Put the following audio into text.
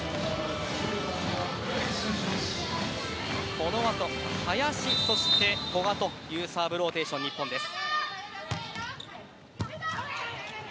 この後、林そして古賀というサーブローテーションの日本です。